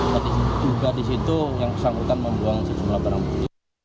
dan juga di situ yang kesangkutan membuang sejumlah barang bukti